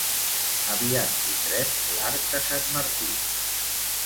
Aviat tindrem l'Arc de Sant Martí.